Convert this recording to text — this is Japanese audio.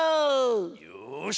よし！